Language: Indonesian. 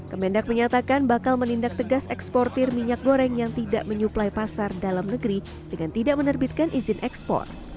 kemendak menyatakan bakal menindak tegas eksportir minyak goreng yang tidak menyuplai pasar dalam negeri dengan tidak menerbitkan izin ekspor